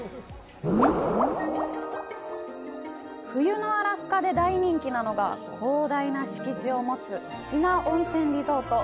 冬のアラスカで大人気なのが、広大な敷地を持つ、チナ温泉リゾート。